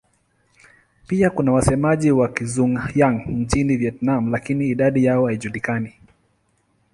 Pia kuna wasemaji wa Kizhuang-Yang nchini Vietnam lakini idadi yao haijulikani.